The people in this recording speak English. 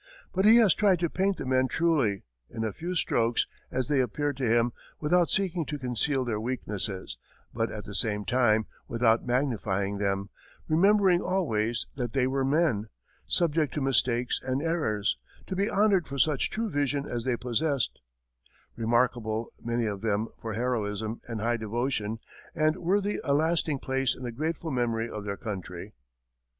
But he has tried to paint the men truly, in a few strokes, as they appeared to him, without seeking to conceal their weaknesses, but at the same time without magnifying them remembering always that they were men, subject to mistakes and errors, to be honored for such true vision as they possessed; remarkable, many of them, for heroism and high devotion, and worthy a lasting place in the grateful memory of their country.